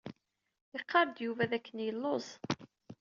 Iqqaṛ-d Yuba d akken yelluẓ.